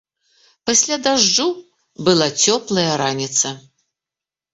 Пасля дажджу была цёплая раніца.